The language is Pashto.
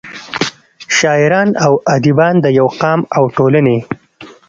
شاعران او اديبان دَيو قام او ټولنې